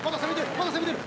まだ攻めてる！